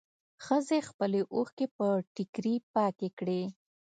ښځې خپلې اوښکې په ټيکري پاکې کړې.